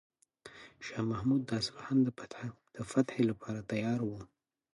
شاه محمود د اصفهان د فتح لپاره تیار و.